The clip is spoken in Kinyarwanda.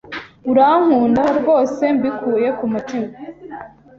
Urankunda rwose mbikuye ku mutima?